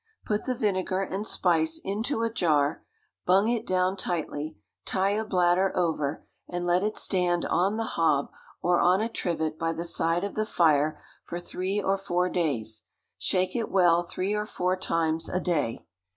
Put the vinegar and spice into a jar, bung it down tightly, tie a bladder over, and let it stand on the hob or on a trivet by the side of the fire for three or four days; shake it well three or four times a day.